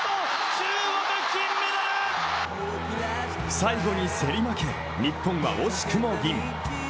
最後に競り負け、日本は惜しくも銀。